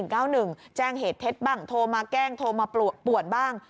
โทรเข้ามาที่๑๙๑แจ้งเหตุเท็จบ้างโทรมาแกล้งโทรมาปวดบ้าง